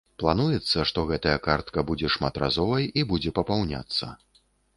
Плануецца, што гэтая картка будзе шматразовай, і будзе папаўняцца.